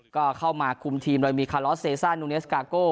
ก็เข้ามาคุมทีมโดยมีคาลอสเซซ่านูเนสกาโก้